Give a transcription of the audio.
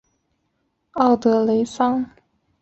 奥德雷桑。